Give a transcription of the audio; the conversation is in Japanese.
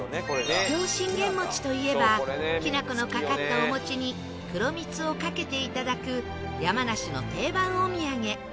桔梗信玄餅といえばきな粉のかかったお餅に黒蜜をかけて頂く山梨の定番お土産